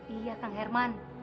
iya kang herman